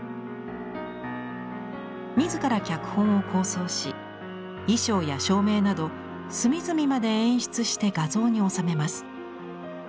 自ら脚本を構想し衣装や照明など隅々まで演出して画像に収めます。